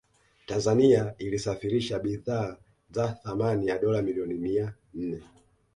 Tanzania ilisafirisha bidhaa za thamani ya dola milioni mia nne